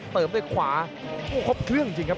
เติมด้วยขวาโอ้ครบเครื่องจริงครับ